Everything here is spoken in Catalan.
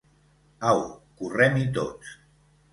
Au, correm-hi tots!